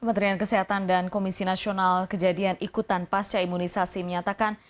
kementerian kesehatan dan komisi nasional kejadian ikutan pasca imunisasi menyatakan